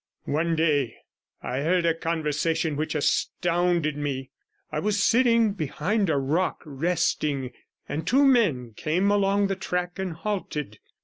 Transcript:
One day I heard a conversation which astounded me; I was sitting behind a rock resting, and two men came along the track and halted.